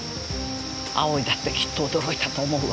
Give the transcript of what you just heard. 葵だってきっと驚いたと思うわ。